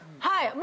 はい。